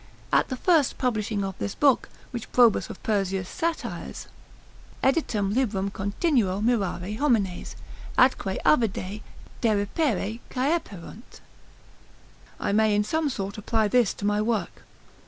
At the first publishing of this book, (which Probus of Persius satires), editum librum continuo mirari homines, atque avide deripere caeperunt, I may in some sort apply to this my work.